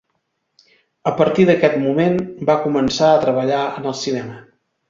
A partir d'aquest moment, va començar a treballar en el cinema.